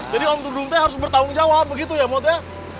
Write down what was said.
jadi om dudung tuh harus bertanggung jawab begitu ya mot ya